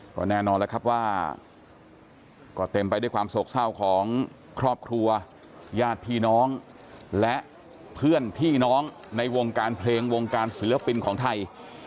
ก็แน่นอนแล้วครับว่าก็เต็มไปด้วยความโศกเศร้าของครอบครัวญาติพี่น้องและเพื่อนพี่น้องในวงการเพลงวงการศิลปินของไทย